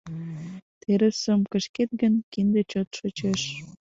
Терысым кышкет гын, кинде чот шочеш.